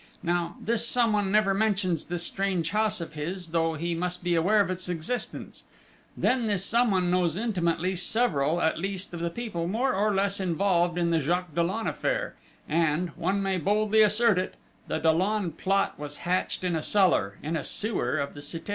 Now, this Someone never mentions this strange house of his, though he must be aware of its existence; then this Someone knows intimately several, at least, of the people more or less involved in the Jacques Dollon affair, and one may boldly assert it the Dollon plot was hatched in a cellar, in a sewer of the Cité.